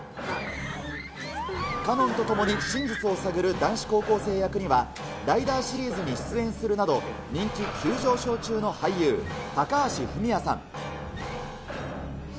奏音と共に真実を探る男子高校生役には、ライダーシリーズに出演するなど、人気急上昇中の俳優、高橋文哉さん。